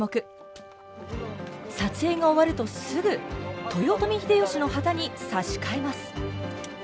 撮影が終わるとすぐ豊臣秀吉の旗に差し替えます。